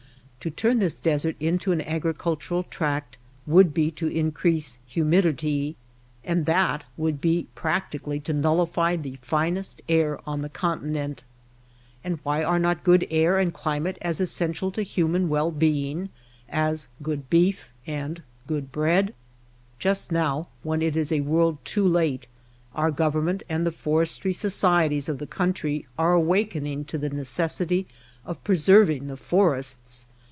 To turn this desert into an agricultural tract would be to increase humidity, and that would be practi cally to nullify the finest air on the continent. And why are not good air and climate as es sential to human well being as good beef and good bread ? Just now, when it is a world too late, our Government and the forestry societies of the country are awakening to the necessity of preserving the forests.